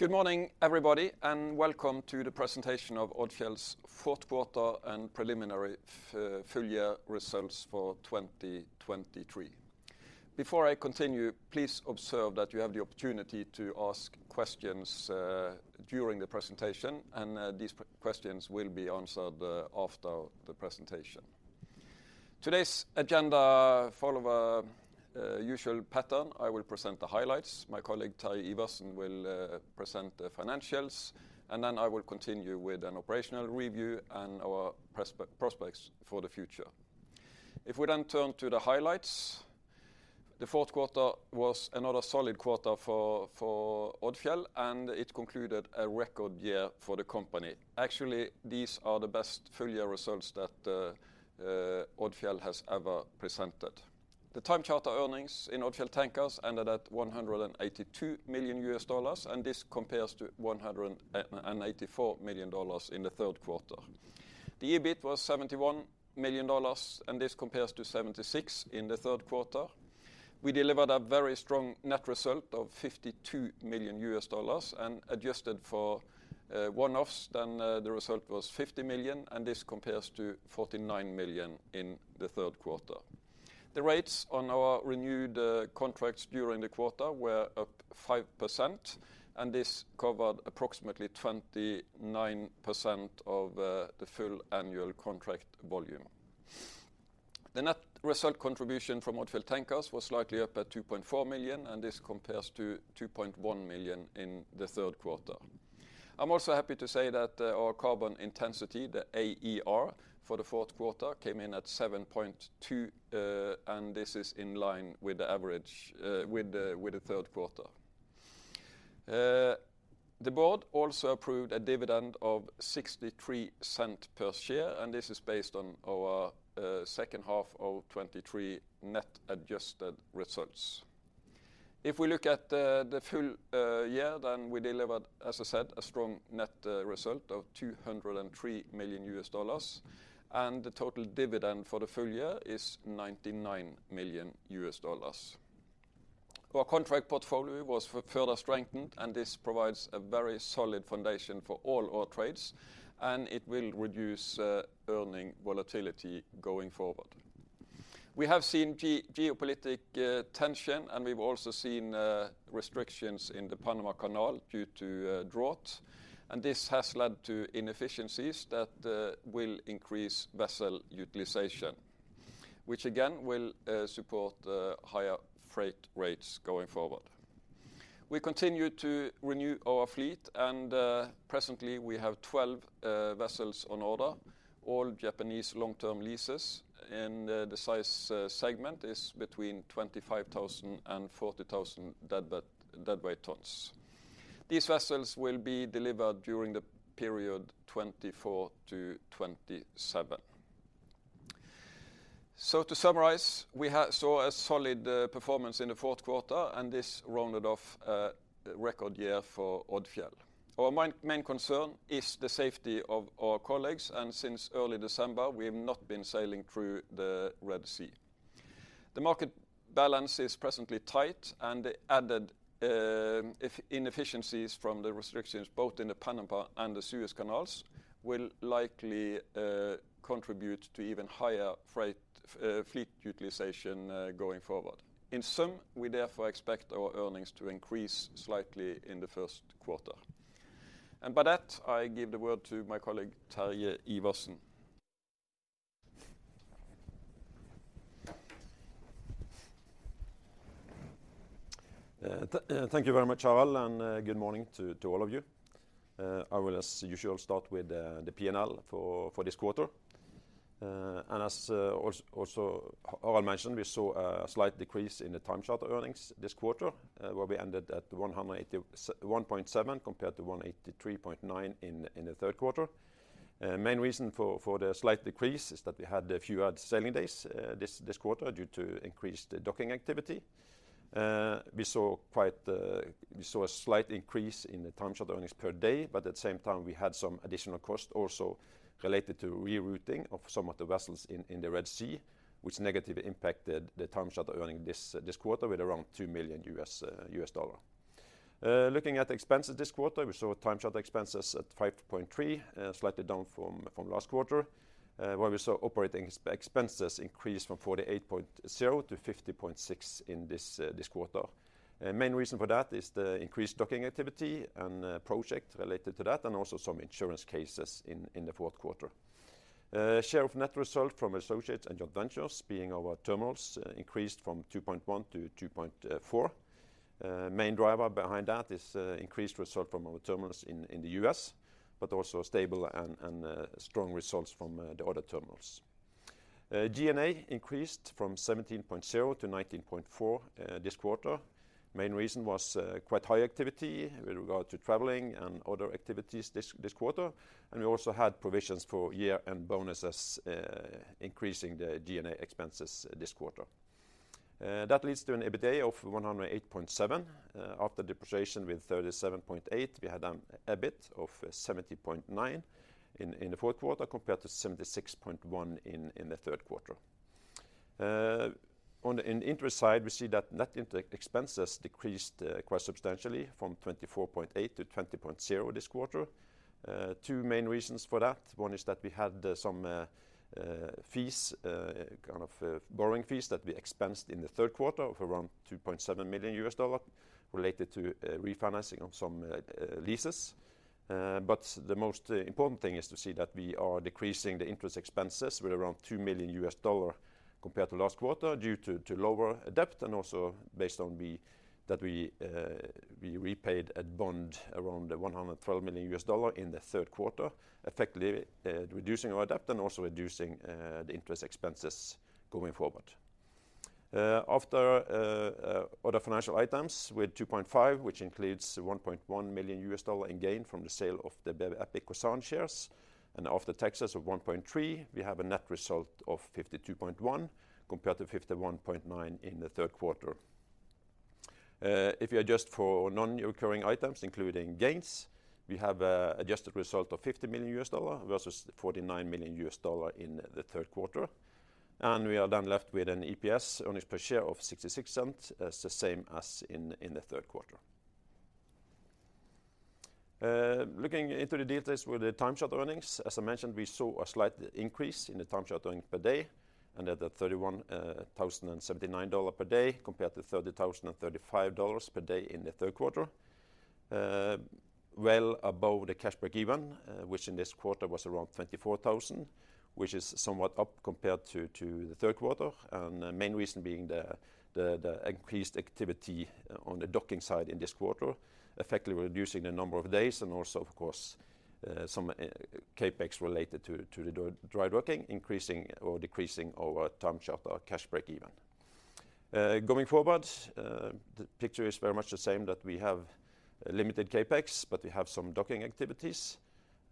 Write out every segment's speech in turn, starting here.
Good morning, everybody, and welcome to the presentation of Odfjell's fourth quarter and preliminary full-year results for 2023. Before I continue, please observe that you have the opportunity to ask questions during the presentation, and these questions will be answered after the presentation. Today's agenda follows a usual pattern: I will present the highlights, my colleague Terje Iversen will present the financials, and then I will continue with an operational review and our prospects for the future. If we then turn to the highlights, the fourth quarter was another solid quarter for Odfjell, and it concluded a record year for the company. Actually, these are the best full-year results that Odfjell has ever presented. The TCE earnings in Odfjell Tankers ended at $182 million, and this compares to $184 million in the third quarter. The EBIT was $71 million, and this compares to $76 million in the third quarter. We delivered a very strong net result of $52 million, and adjusted for one-offs, then the result was $50 million, and this compares to $49 million in the third quarter. The rates on our renewed contracts during the quarter were up 5%, and this covered approximately 29% of the full annual contract volume. The net result contribution from Odfjell Tankers was slightly up at $2.4 million, and this compares to $2.1 million in the third quarter. I'm also happy to say that our carbon intensity, the AER, for the fourth quarter came in at 7.2, and this is in line with the average with the third quarter. The board also approved a dividend of $0.63 per share, and this is based on our second half of 2023 net adjusted results. If we look at the full year, then we delivered, as I said, a strong net result of $203 million, and the total dividend for the full year is $99 million. Our contract portfolio was further strengthened, and this provides a very solid foundation for all our trades, and it will reduce earnings volatility going forward. We have seen geopolitical tension, and we've also seen restrictions in the Panama Canal due to drought, and this has led to inefficiencies that will increase vessel utilization, which again will support higher freight rates going forward. We continue to renew our fleet, and presently we have 12 vessels on order, all Japanese long-term leases, and the size segment is between 25,000-40,000 deadweight tons. These vessels will be delivered during the period 2024-2027. To summarize, we saw a solid performance in the fourth quarter, and this rounded off a record year for Odfjell. Our main concern is the safety of our colleagues, and since early December we have not been sailing through the Red Sea. The market balance is presently tight, and the added inefficiencies from the restrictions both in the Panama Canal and the Suez Canal will likely contribute to even higher freight fleet utilization going forward. In sum, we therefore expect our earnings to increase slightly in the first quarter. By that, I give the word to my colleague Terje Iversen. Thank you very much, Harald, and good morning to all of you. I will, as usual, start with the P&L for this quarter. As also Harald mentioned, we saw a slight decrease in the time charter earnings this quarter, where we ended at 1.7 compared to 183.9 in the third quarter. Main reason for the slight decrease is that we had fewer sailing days this quarter due to increased docking activity. We saw a slight increase in the time charter earnings per day, but at the same time we had some additional cost also related to rerouting of some of the vessels in the Red Sea, which negatively impacted the time charter earnings this quarter with around $2 million. Looking at expenses this quarter, we saw time charter expenses at $5.3, slightly down from last quarter, where we saw operating expenses increase from $48.0-$50.6 in this quarter. Main reason for that is the increased docking activity and project related to that, and also some insurance cases in the fourth quarter. Share of net result from associates and joint ventures, being our terminals, increased from $2.1-$2.4. Main driver behind that is increased result from our terminals in the U.S., but also stable and strong results from the other terminals. G&A increased from $17.0-$19.4 this quarter. Main reason was quite high activity with regard to traveling and other activities this quarter, and we also had provisions for year-end bonuses increasing the G&A expenses this quarter. That leads to an EBITDA of $108.7. After depreciation with $37.8, we had an EBIT of $70.9 in the fourth quarter compared to $76.1 in the third quarter. On the interest side, we see that net expenses decreased quite substantially from $24.8-$20.0 this quarter. Two main reasons for that. One is that we had some fees, kind of borrowing fees, that we expensed in the third quarter of around $2.7 million related to refinancing of some leases. But the most important thing is to see that we are decreasing the interest expenses with around $2 million compared to last quarter due to lower debt and also based on that we repaid a bond around $112 million in the third quarter, effectively reducing our debt and also reducing the interest expenses going forward. After other financial items, with $2.5 million, which includes $1.1 million in gain from the sale of the BW Epic Kosan shares, and after taxes of $1.3 million, we have a net result of $52.1 million compared to $51.9 million in the third quarter. If you adjust for non-recurring items, including gains, we have an adjusted result of $50 million versus $49 million in the third quarter. And we are then left with an EPS, earnings per share, of 0.66, the same as in the third quarter. Looking into the details with the time charter earnings, as I mentioned, we saw a slight increase in the time charter earnings per day and at $31,079 per day compared to $30,035 per day in the third quarter, well above the cash breakeven, which in this quarter was around 24,000, which is somewhat up compared to the third quarter, and main reason being the increased activity on the docking side in this quarter, effectively reducing the number of days and also, of course, some CapEx related to the dry docking, increasing or decreasing our time charter or cash breakeven. Going forward, the picture is very much the same, that we have limited CapEx, but we have some docking activities,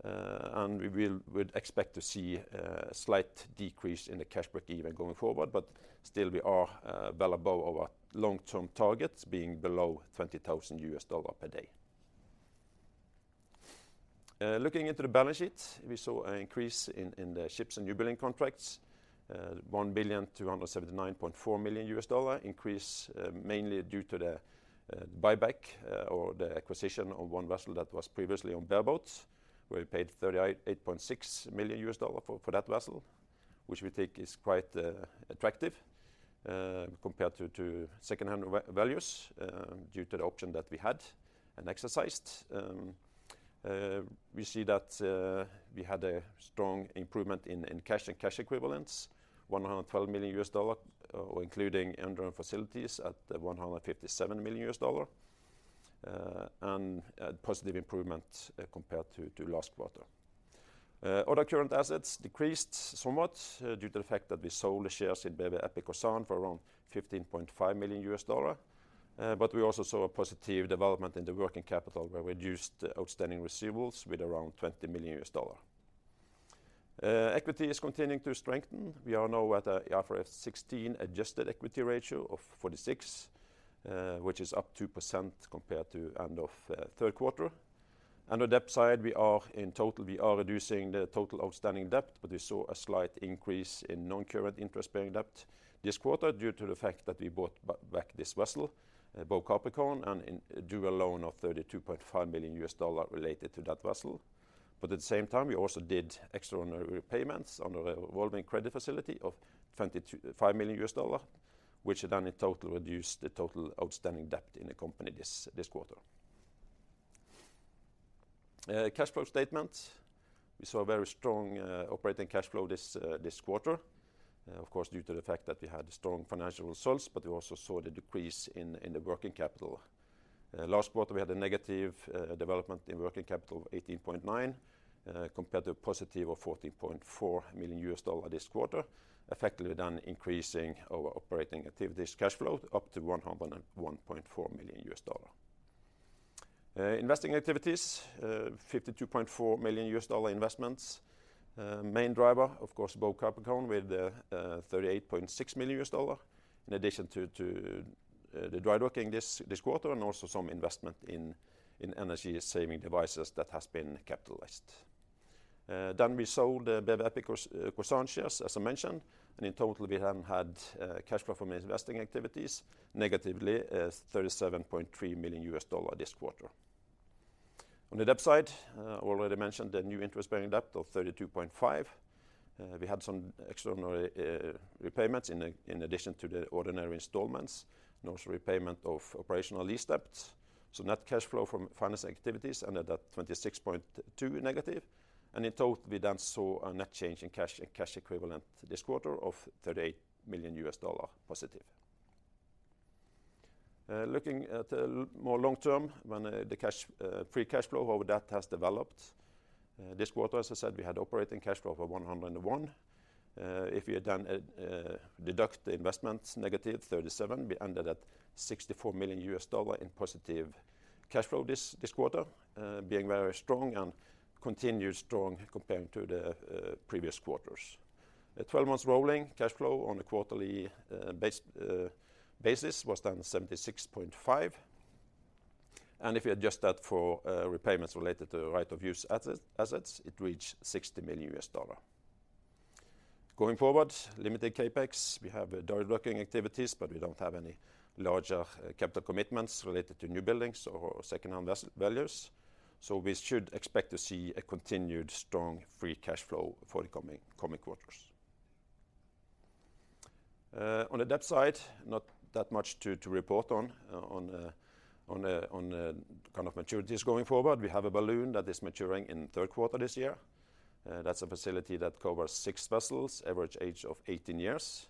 and we would expect to see a slight decrease in the cash break even going forward, but still we are well above our long-term targets, being below $20,000 per day. Looking into the balance sheet, we saw an increase in the ships and newbuilding contracts, $1,279.4 million, increase mainly due to the buyback or the acquisition of one vessel that was previously on bareboat, where we paid $38.6 million for that vessel, which we think is quite attractive compared to secondhand values due to the option that we had and exercised. We see that we had a strong improvement in cash and cash equivalents, $112 million, or including undrawn facilities at $157 million, and a positive improvement compared to last quarter. Other current assets decreased somewhat due to the fact that we sold the shares in BEPIC COSAN for around $15.5 million, but we also saw a positive development in the working capital, where we reduced outstanding receivables with around $20 million. Equity is continuing to strengthen. We are now at an IFRS 16 adjusted equity ratio of 46, which is up 2% compared to end of third quarter. On the debt side, we are in total, we are reducing the total outstanding debt, but we saw a slight increase in non-current interest bearing debt this quarter due to the fact that we bought back this vessel, Bow Capricorn, and a dual loan of $32.5 million related to that vessel. But at the same time, we also did extraordinary repayments on a revolving credit facility of $25 million, which then in total reduced the total outstanding debt in the company this quarter. Cash flow statements, we saw a very strong operating cash flow this quarter, of course, due to the fact that we had strong financial results, but we also saw the decrease in the working capital. Last quarter, we had a negative development in working capital of $18.9 million compared to a positive of $14.4 million this quarter, effectively then increasing our operating activities cash flow up to $101.4 million. Investing activities, $52.4 million investments, main driver, of course, Bow Capricorn with $38.6 million, in addition to the dry docking this quarter and also some investment in energy-saving devices that has been capitalized. Then we sold the BEPIC COSAN shares, as I mentioned, and in total, we then had cash flow from investing activities negatively $37.3 million this quarter. On the debt side, I already mentioned the new interest bearing debt of $32.5 million. We had some extraordinary repayments in addition to the ordinary installments and also repayment of operational lease debts. So net cash flow from finance activities ended at -$26.2 million. And in total, we then saw a net change in cash and cash equivalents this quarter of +$38 million. Looking at more long-term, when the cash free cash flow, how that has developed this quarter, as I said, we had operating cash flow of $101 million. If we then deduct the investments negative $37 million, we ended at $64 million in positive cash flow this quarter, being very strong and continued strong compared to the previous quarters. 12 months rolling, cash flow on a quarterly basis was then $76.5 million. And if you adjust that for repayments related to right-of-use assets, it reached $60 million. Going forward, limited CapEx. We have dry docking activities, but we don't have any larger capital commitments related to new buildings or secondhand values. So we should expect to see a continued strong free cash flow for the coming quarters. On the debt side, not that much to report on kind of maturities going forward. We have a balloon that is maturing in third quarter this year. That's a facility that covers six vessels, average age of 18 years.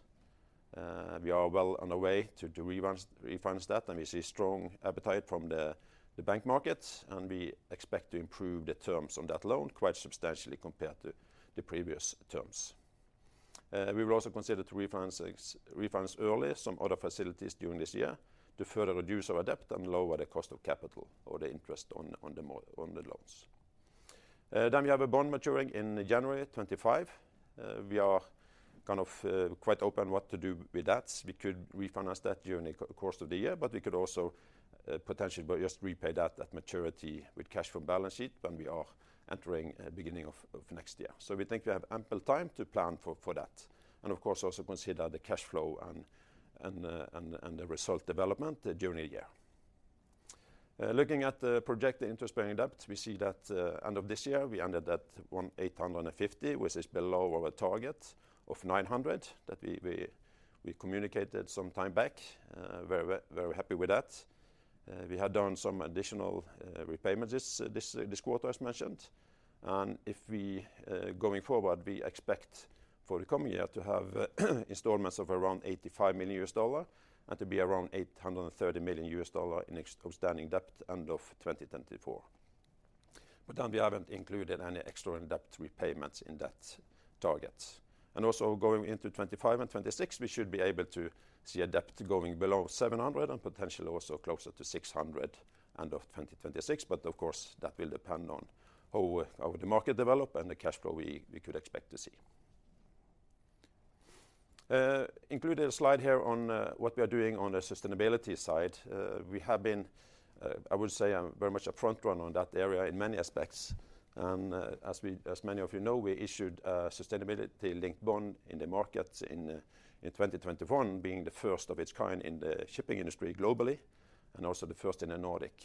We are well on the way to refinance that, and we see strong appetite from the bank market, and we expect to improve the terms on that loan quite substantially compared to the previous terms. We will also consider to refinance early some other facilities during this year to further reduce our debt and lower the cost of capital or the interest on the loans. Then we have a bond maturing in January 2025. We are kind of quite open what to do with that. We could refinance that during the course of the year, but we could also potentially just repay that at maturity with cash from balance sheet when we are entering the beginning of next year. So we think we have ample time to plan for that and, of course, also consider the cash flow and the result development during the year. Looking at the projected interest-bearing debt, we see that end of this year, we ended at $1,850, which is below our target of $900 that we communicated some time back. Very, very happy with that. We had done some additional repayments this quarter, as mentioned. And if we going forward, we expect for the coming year to have installments of around $85 million and to be around $830 million in outstanding debt end of 2024. But then we haven't included any extraordinary debt repayments in that target. And also going into 2025 and 2026, we should be able to see a debt going below $700 and potentially also closer to $600 end of 2026. But of course, that will depend on how the market develop and the cash flow we could expect to see. Included a slide here on what we are doing on the sustainability side. We have been, I would say, very much a front-runner on that area in many aspects. As many of you know, we issued a sustainability-linked bond in the markets in 2021, being the first of its kind in the shipping industry globally and also the first in the Nordic.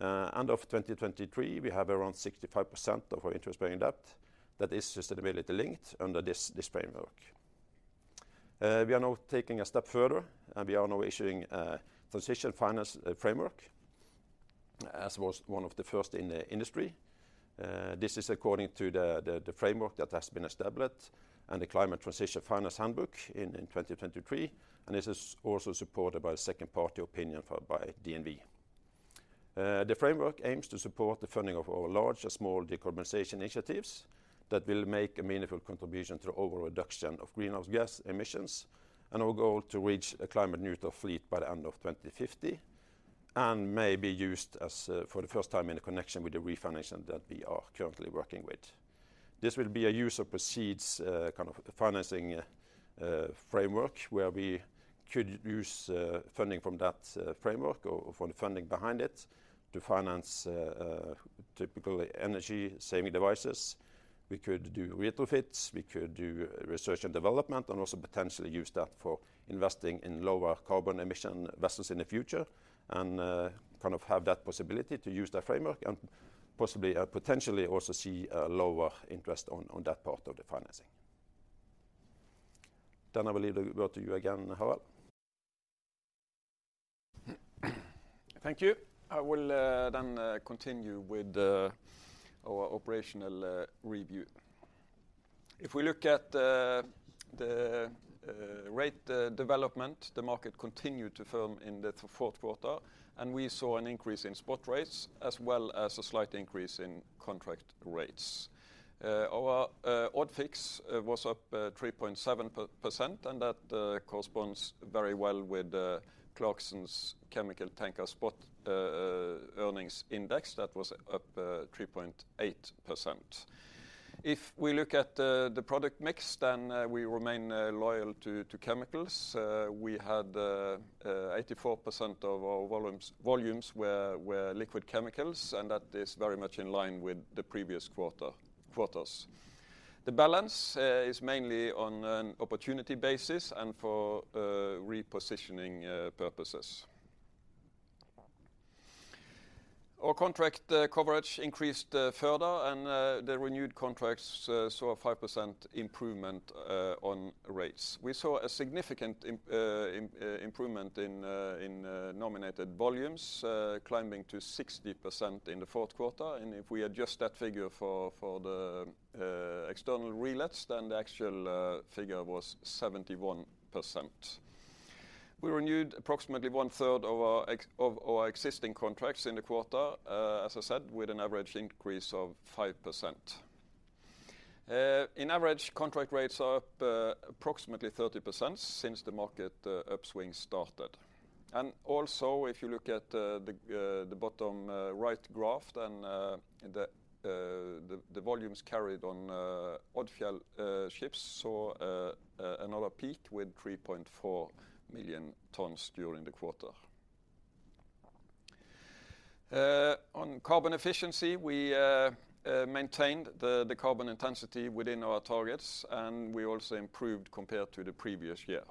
End of 2023, we have around 65% of our interest bearing debt that is sustainability-linked under this framework. We are now taking a step further, and we are now issuing a transition finance framework as one of the first in the industry. This is according to the framework that has been established and the Climate Transition Finance Handbook in 2023, and this is also supported by a second-party opinion by DNV. The framework aims to support the funding of our large and small decarbonization initiatives that will make a meaningful contribution to the overall reduction of greenhouse gas emissions and our goal to reach a climate-neutral fleet by the end of 2050 and may be used for the first time in connection with the refinancing that we are currently working with. This will be a use of proceeds kind of financing framework where we could use funding from that framework or from the funding behind it to finance typically energy-saving devices. We could do retrofits. We could do research and development and also potentially use that for investing in lower carbon emission vessels in the future and kind of have that possibility to use that framework and possibly potentially also see a lower interest on that part of the financing. Then I will leave the word to you again, Harald. Thank you. I will then continue with our operational review. If we look at the rate development, the market continued to firm in the fourth quarter, and we saw an increase in spot rates as well as a slight increase in contract rates. Our ODFIX was up 3.7%, and that corresponds very well with Clarksons Chemical Tanker Spot Earnings Index that was up 3.8%. If we look at the product mix, then we remain loyal to chemicals. We had 84% of our volumes were liquid chemicals, and that is very much in line with the previous quarters. The balance is mainly on an opportunity basis and for repositioning purposes. Our contract coverage increased further, and the renewed contracts saw a 5% improvement on rates. We saw a significant improvement in nominated volumes, climbing to 60% in the fourth quarter. If we adjust that figure for the external relets, then the actual figure was 71%. We renewed approximately one-third of our existing contracts in the quarter, as I said, with an average increase of 5%. On average, contract rates are up approximately 30% since the market upswing started. Also, if you look at the bottom right graph, then the volumes carried on Odfjell ships saw another peak with 3.4 million tons during the quarter. On carbon efficiency, we maintained the carbon intensity within our targets, and we also improved compared to the previous year.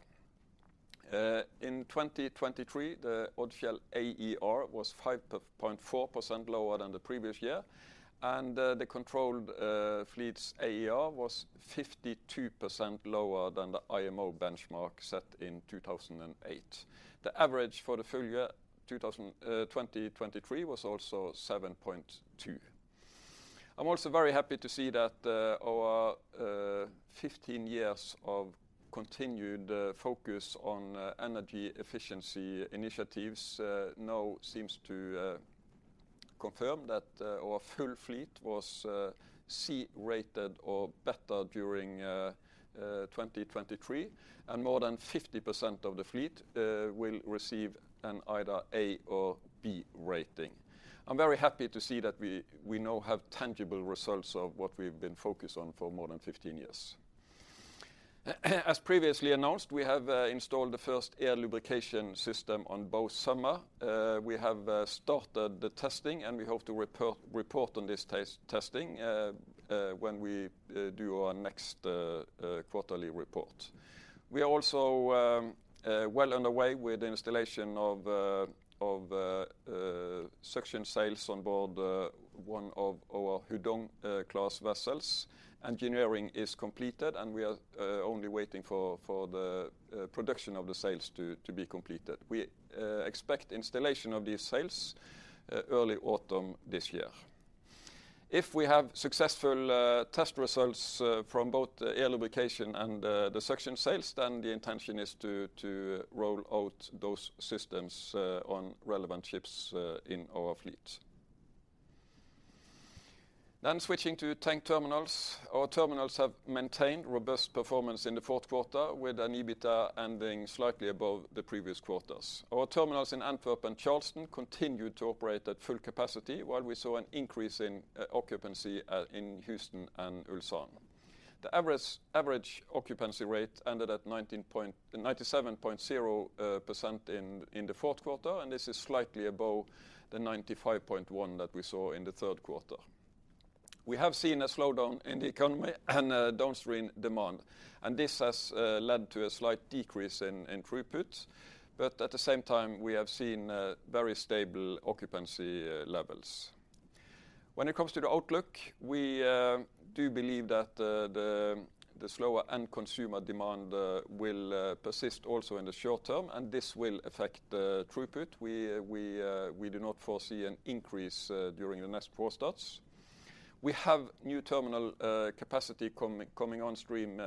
In 2023, the Odfjell AER was 5.4% lower than the previous year, and the controlled fleet's AER was 52% lower than the IMO benchmark set in 2008. The average for the full year 2023 was also 7.2. I'm also very happy to see that our 15 years of continued focus on energy efficiency initiatives now seems to confirm that our full fleet was C-rated or better during 2023, and more than 50% of the fleet will receive an either A or B rating. I'm very happy to see that we now have tangible results of what we've been focused on for more than 15 years. As previously announced, we have installed the first air lubrication system on Bow Summer. We have started the testing, and we hope to report on this testing when we do our next quarterly report. We are also well on the way with the installation of suction sails on board one of our Hudong-class vessels. Engineering is completed, and we are only waiting for the production of the sails to be completed. We expect installation of these sails early autumn this year. If we have successful test results from both the air lubrication and the suction sails, then the intention is to roll out those systems on relevant ships in our fleet. Then switching to tank terminals, our terminals have maintained robust performance in the fourth quarter with an EBITDA ending slightly above the previous quarters. Our terminals in Antwerp and Charleston continued to operate at full capacity, while we saw an increase in occupancy in Houston and Ulsan. The average occupancy rate ended at 97.0% in the fourth quarter, and this is slightly above the 95.1% that we saw in the third quarter. We have seen a slowdown in the economy and downstream demand, and this has led to a slight decrease in throughput. But at the same time, we have seen very stable occupancy levels. When it comes to the outlook, we do believe that the slower end-consumer demand will persist also in the short term, and this will affect throughput. We do not foresee an increase during the next four quarters. We have new terminal capacity coming onstream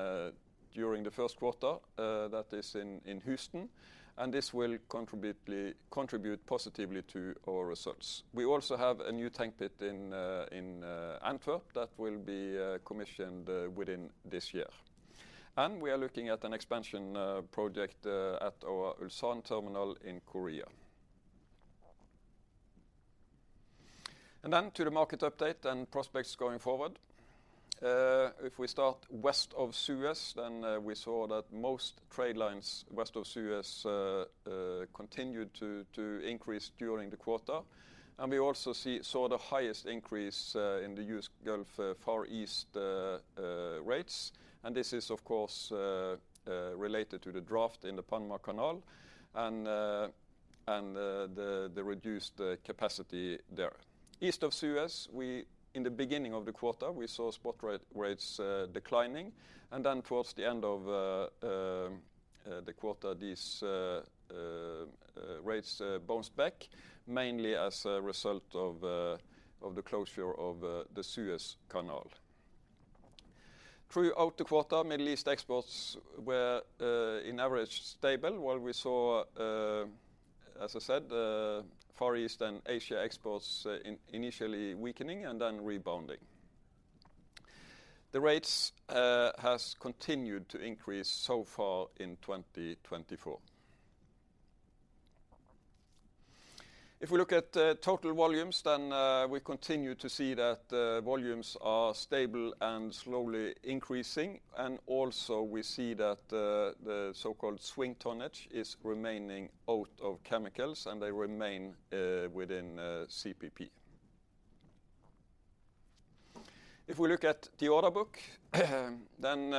during the first quarter. That is in Houston, and this will contribute positively to our results. We also have a new tank farm in Antwerp that will be commissioned within this year. We are looking at an expansion project at our Ulsan terminal in Korea. To the market update and prospects going forward. If we start west of Suez, then we saw that most trade lines west of Suez continued to increase during the quarter. We also saw the highest increase in the East Gulf Far East rates. This is, of course, related to the draft in the Panama Canal and the reduced capacity there. East of Suez, in the beginning of the quarter, we saw spot rates declining. And then towards the end of the quarter, these rates bounced back, mainly as a result of the closure of the Suez Canal. Throughout the quarter, Middle East exports were on average stable, while we saw, as I said, Far East and Asia exports initially weakening and then rebounding. The rates have continued to increase so far in 2024. If we look at total volumes, then we continue to see that volumes are stable and slowly increasing. And also we see that the so-called swing tonnage is remaining out of chemicals, and they remain within CPP. If we look at the order book, then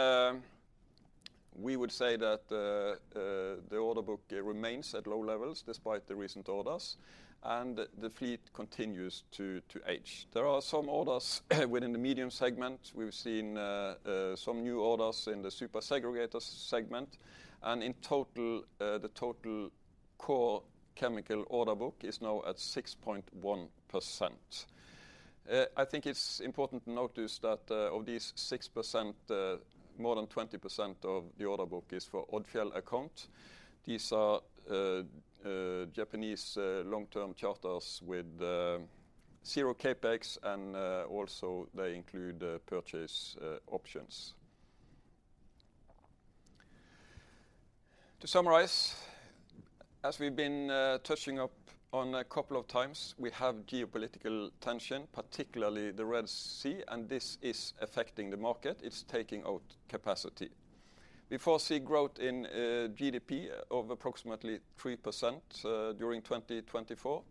we would say that the order book remains at low levels despite the recent orders, and the fleet continues to age. There are some orders within the medium segment. We've seen some new orders in the Super Segregator segment. In total, the total core chemical order book is now at 6.1%. I think it's important to notice that of these 6%, more than 20% of the order book is for Odfjell account. These are Japanese long-term charters with zero CapEx, and also they include purchase options. To summarize, as we've been touching up on a couple of times, we have geopolitical tension, particularly the Red Sea, and this is affecting the market. It's taking out capacity. We foresee growth in GDP of approximately 3% during 2024.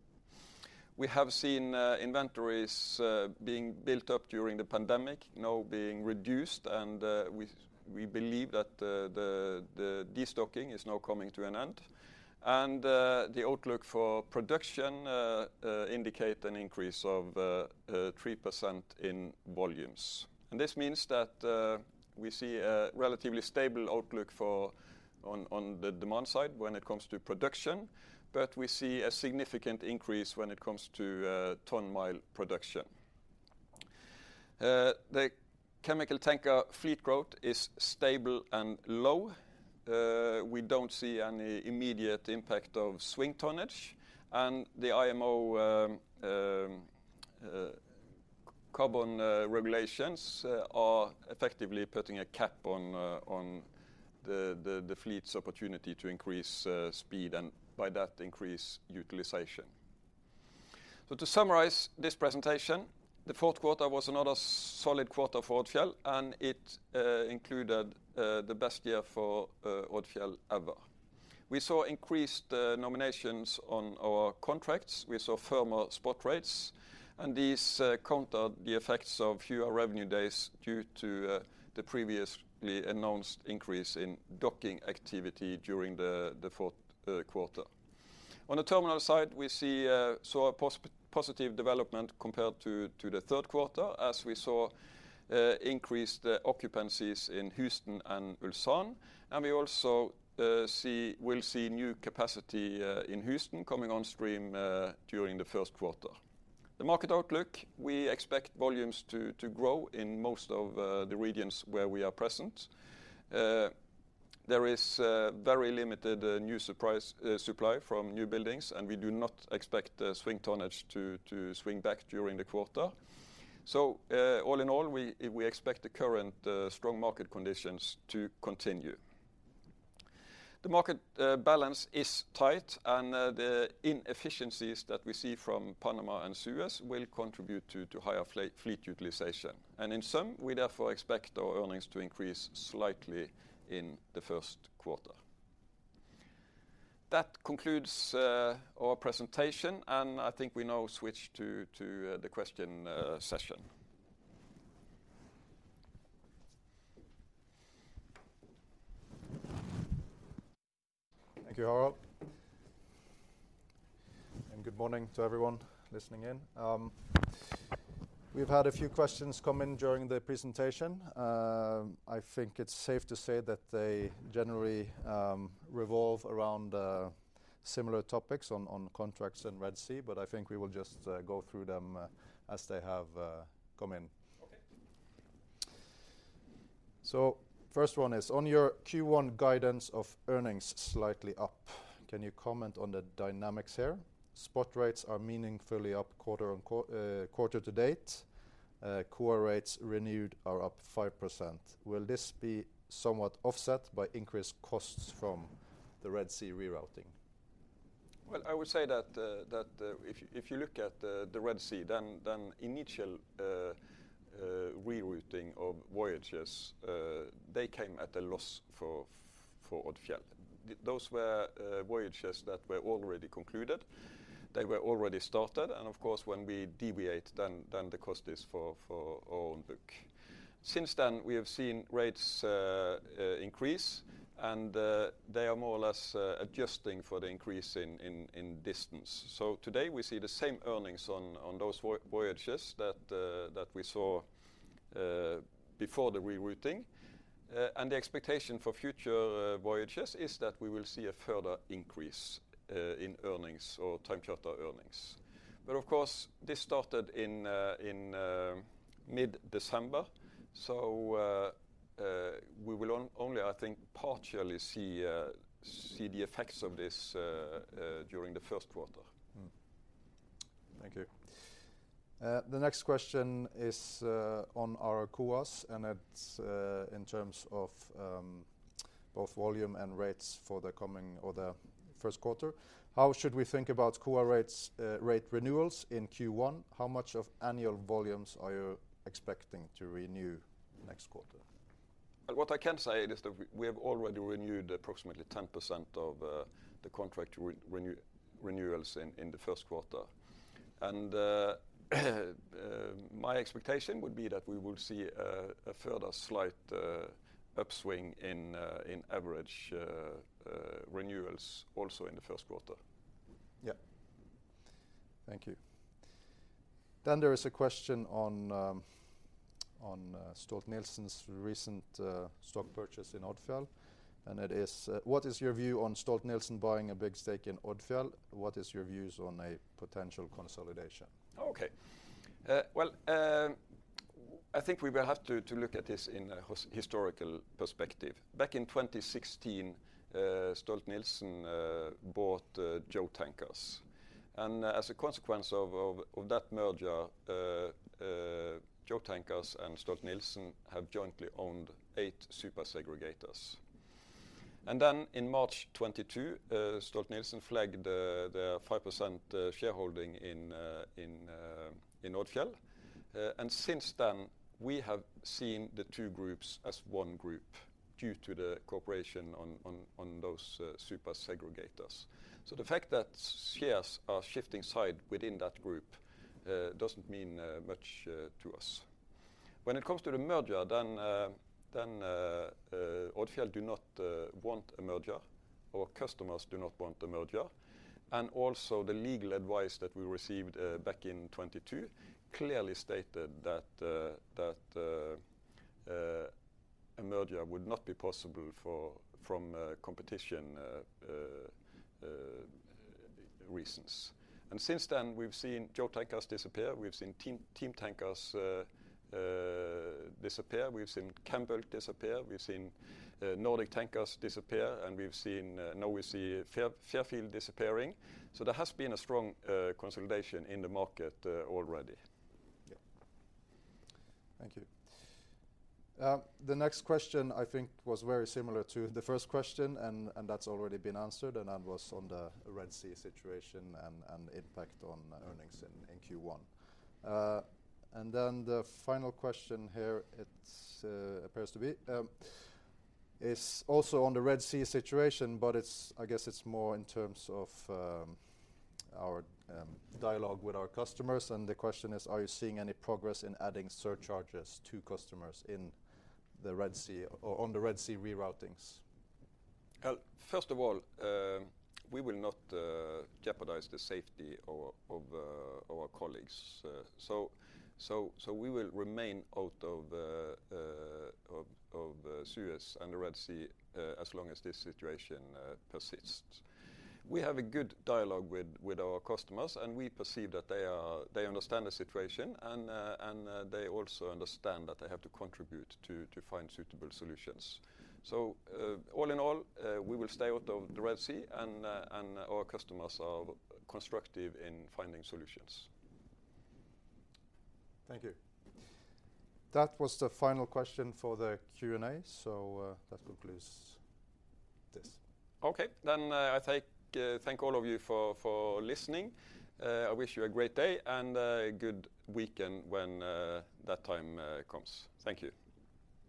We have seen inventories being built up during the pandemic, now being reduced. We believe that the destocking is now coming to an end. The outlook for production indicates an increase of 3% in volumes. This means that we see a relatively stable outlook on the demand side when it comes to production, but we see a significant increase when it comes to ton-mile production. The chemical tanker fleet growth is stable and low. We don't see any immediate impact of swing tonnage. The IMO carbon regulations are effectively putting a cap on the fleet's opportunity to increase speed and by that increase utilization. So to summarize this presentation, the fourth quarter was another solid quarter for Odfjell, and it included the best year for Odfjell ever. We saw increased nominations on our contracts. We saw firmer spot rates, and these countered the effects of fewer revenue days due to the previously announced increase in docking activity during the fourth quarter. On the terminal side, we saw a positive development compared to the third quarter as we saw increased occupancies in Houston and Ulsan. We also will see new capacity in Houston coming onstream during the first quarter. The market outlook, we expect volumes to grow in most of the regions where we are present. There is very limited new supply from new buildings, and we do not expect swing tonnage to swing back during the quarter. So all in all, we expect the current strong market conditions to continue. The market balance is tight, and the inefficiencies that we see from Panama and Suez will contribute to higher fleet utilization. In sum, we therefore expect our earnings to increase slightly in the first quarter. That concludes our presentation, and I think we now switch to the question session. Thank you, Harald. Good morning to everyone listening in. We've had a few questions come in during the presentation. I think it's safe to say that they generally revolve around similar topics on contracts and Red Sea, but I think we will just go through them as they have come in. First one is, on your Q1 guidance of earnings slightly up, can you comment on the dynamics here? Spot rates are meaningfully up quarter to date. COA rates renewed are up 5%. Will this be somewhat offset by increased costs from the Red Sea rerouting? Well, I would say that if you look at the Red Sea, then initial rerouting of voyages, they came at a loss for Odfjell. Those were voyages that were already concluded. They were already started. And of course, when we deviate, then the cost is for our own book. Since then, we have seen rates increase, and they are more or less adjusting for the increase in distance. So today, we see the same earnings on those voyages that we saw before the rerouting. And the expectation for future voyages is that we will see a further increase in earnings or time charter earnings. But of course, this started in mid-December, so we will only, I think, partially see the effects of this during the first quarter. Thank you. The next question is on our COAs, and it's in terms of both volume and rates for the first quarter. How should we think about COA rate renewals in Q1? How much of annual volumes are you expecting to renew next quarter? Well, what I can say is that we have already renewed approximately 10% of the contract renewals in the first quarter. My expectation would be that we will see a further slight upswing in average renewals also in the first quarter. Yeah. Thank you. Then there is a question on Stolt-Nielsen's recent stock purchase in Odfjell. It is, what is your view on Stolt-Nielsen buying a big stake in Odfjell? What is your views on a potential consolidation? OK. Well, I think we will have to look at this in a historical perspective. Back in 2016, Stolt-Nielsen bought Jo Tankers. And as a consequence of that merger, Jo Tankers and Stolt-Nielsen have jointly owned eight super segregators. And then in March 2022, Stolt-Nielsen flagged their 5% shareholding in Odfjell. And since then, we have seen the two groups as one group due to the cooperation on those super segregators. So the fact that shares are shifting side within that group doesn't mean much to us. When it comes to the merger, then Odfjell do not want a merger. Our customers do not want a merger. And also, the legal advice that we received back in 2022 clearly stated that a merger would not be possible from competition reasons. And since then, we've seen Jo Tankers disappear. We've seen Team Tankers disappear. We've seen Chembulk disappear. We've seen Nordic Tankers disappear. Now we see Fairfield disappearing. There has been a strong consolidation in the market already. Yeah. Thank you. The next question, I think, was very similar to the first question, and that's already been answered. And that was on the Red Sea situation and impact on earnings in Q1. And then the final question here, it appears to be, is also on the Red Sea situation, but I guess it's more in terms of our dialogue with our customers. And the question is, are you seeing any progress in adding surcharges to customers on the Red Sea reroutings? Well, first of all, we will not jeopardize the safety of our colleagues. So we will remain out of Suez and the Red Sea as long as this situation persists. We have a good dialogue with our customers, and we perceive that they understand the situation, and they also understand that they have to contribute to find suitable solutions. So all in all, we will stay out of the Red Sea, and our customers are constructive in finding solutions. Thank you. That was the final question for the Q&A. So that concludes this. OK. I thank all of you for listening. I wish you a great day and a good weekend when that time comes. Thank you.